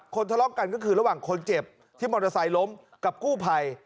ทะเลาะกันก็คือระหว่างคนเจ็บที่มอเตอร์ไซค์ล้มกับกู้ภัย